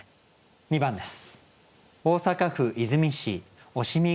２番です。